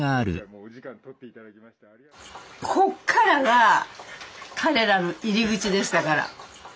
こっからが彼らの入り口でしたから。